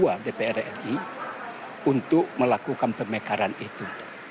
kami juga menampung aspirasi yang terakhir di ruu untuk melakukan pemekaran itu